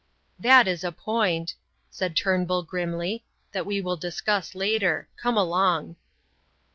"That is a point," said Turnbull, grimly, "that we will discuss later. Come along."